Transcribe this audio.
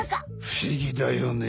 不思議だよね。